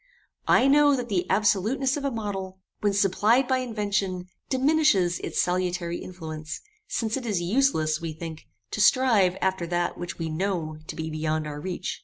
I know that the absoluteness of a model, when supplied by invention, diminishes its salutary influence, since it is useless, we think, to strive after that which we know to be beyond our reach.